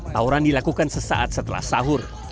tawuran dilakukan sesaat setelah sahur